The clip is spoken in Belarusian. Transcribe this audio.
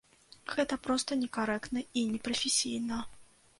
Гэта проста некарэктна і непрафесійна.